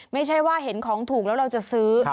ไม่ใช่ว่าเห็นของถูกแล้วเราจะซื้อ